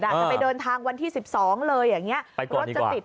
จะไปเดินทางวันที่๑๒เลยรถจะติดไปก่อนดีกว่า